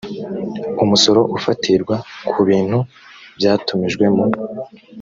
umusoro ufatirwa ku bintu byatumijwe mu